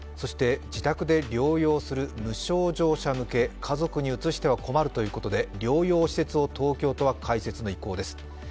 自宅で療養する無症状者向け、家族にうつしては困るということで療養施設を東京都は開設の意向です。